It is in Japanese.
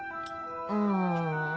うん。